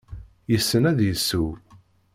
Yessen ad yesseww.